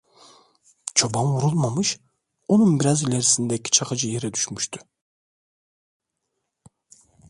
Çoban vurulmamış onun biraz ilerisindeki Çakıcı yere düşmüştü.